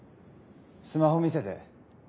スマホ見せて。